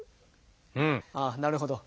ああなるほど。